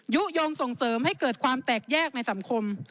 ยุโยงส่งเสริมให้เกิดความแตกแยกในสังคม